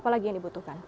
apa lagi yang dibutuhkan